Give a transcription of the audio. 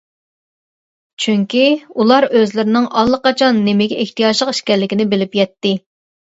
چۈنكى، ئۇلار ئۆزلىرىنىڭ ئاللىقاچان نېمىگە ئېھتىياجلىق ئىكەنلىكىنى بىلىپ يەتتى.